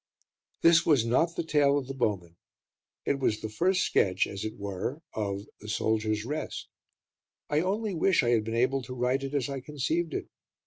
This was not the tale of "The Bowmen". It was the first sketch, as it were, of "The Soldiers' Rest". I only wish I had been able to write it as I conceived it.